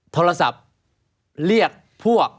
โทรศัพท์เรียกพวก